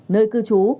nơi cư trú